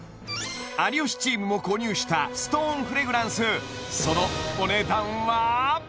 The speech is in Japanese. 有吉チームも購入したストーンフレグランスそのお値段は？